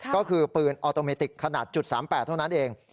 ก็คือปืนออโตเมติกขนาด๓๘เท่านั้นเอง